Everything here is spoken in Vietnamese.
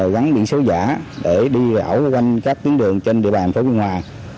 gắn điện số giả để đi gạo quanh các tuyến đường trên địa bàn phố biên hòa